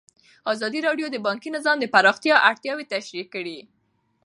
ازادي راډیو د بانکي نظام د پراختیا اړتیاوې تشریح کړي.